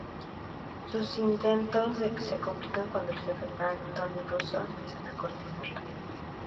Sus intentos se complican cuando el jefe de Frank, Tony Russo, empieza a cortejarla.